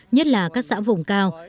nhất là các xã vùng cao